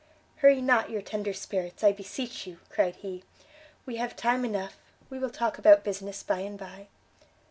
"Hurry not your tender spirits, I beseech you," cried he, "we have time enough; we will talk about business by and by."